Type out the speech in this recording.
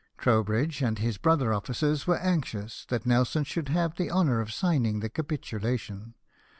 Trowbridge and his brother officers were anxious that Nelson should have the honour of signing the capitulation.